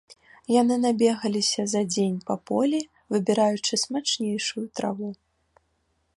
Яны набегаліся за дзень па полі, выбіраючы смачнейшую траву.